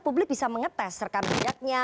publik bisa mengetes serkan biadanya